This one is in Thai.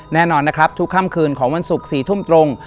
แน่นอนนะครับทุกค่ำคืนของวันศุกร์๔ทุ่มตรง